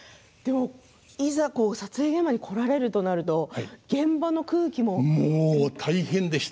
いざ撮影現場に来られるとなるともう大変でした。